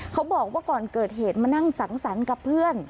เขาบอกว่าก่อนเกิดเหตุมานั่งสังสรรค์กับเพื่อน